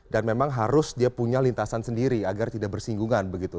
dan memang harus dia punya lintasan sendiri agar tidak bersinggungan begitu